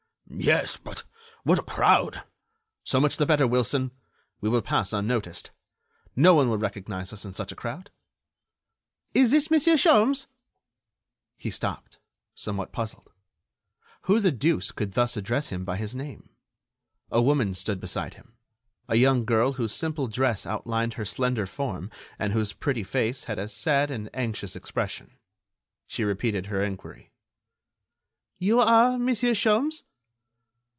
"Yes, but what a crowd!" "So much the better, Wilson, we will pass unnoticed. No one will recognize us in such a crowd." "Is this Monsieur Sholmes?" He stopped, somewhat puzzled. Who the deuce could thus address him by his name? A woman stood beside him; a young girl whose simple dress outlined her slender form and whose pretty face had a sad and anxious expression. She repeated her enquiry: "You are Monsieur Sholmes?"